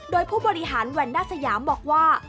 โดยผู้บริหารแวนด้าสยามบอกว่า